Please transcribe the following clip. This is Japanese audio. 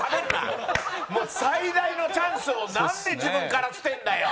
最大のチャンスをなんで自分から捨てるんだよ！